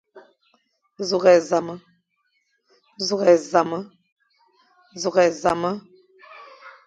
Sughʼé zame,